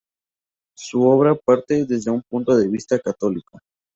Su obra parte desde un punto de vista católico.